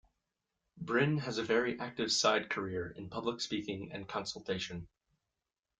Brin has a very active side career in public speaking and consultation.